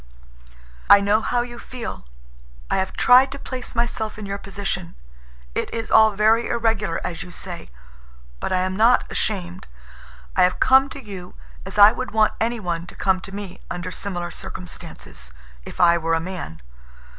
"I know how you feel. I have tried to place myself in your position. It is all very irregular, as you say. But I am not ashamed. I have come to you as I would want anyone to come to me under similar circumstances, if I were a man.